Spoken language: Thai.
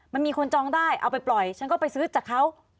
มันมีคนจองได้เอาไปปล่อยฉันก็ไปซื้อจากเขา